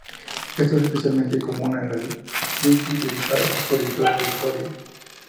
Esto es especialmente común en las wikis dedicadas a proyectos de código.